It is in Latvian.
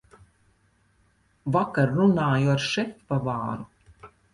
Vakar runāju ar šefpavāru.